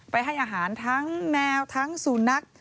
ไปให้อาหารทั้งแนวทั้งสูญนัก